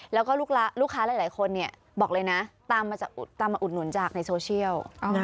แล้วก็ลูกค้าหลายคนบอกเลยนะตามมาอุดหนุนจากในโซเชียล